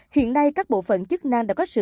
hiện nay các bộ phận chức năng đã có sự thông tin